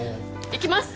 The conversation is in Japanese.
行きます！